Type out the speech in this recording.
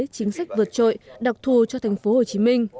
chính sách vượt trội đặc thù cho tp hcm